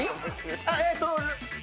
えーっと。